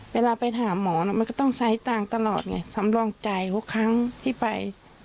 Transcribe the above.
เวลาไปหาหมอมันก็ต้องใช้ตังค์ตลอดไงสำรองใจทุกครั้งที่ไป